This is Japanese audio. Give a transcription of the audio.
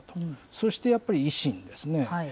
そしてやっぱり、維新ですね。